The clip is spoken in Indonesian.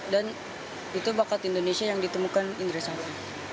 dan itu bakat indonesia yang ditemukan indra safri